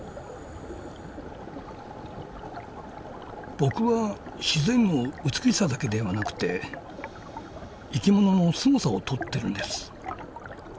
僕は自然の美しさだけではなくて生きもののすごさを撮ってるんです。